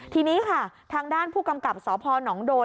ทีนี้ค่ะทางด้านผู้กำกับสพนโดน